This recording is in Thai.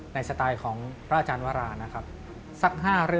ในทุกประโยค